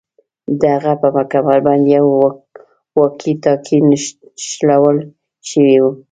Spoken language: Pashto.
د هغه په کمربند یو واکي ټاکي نښلول شوی و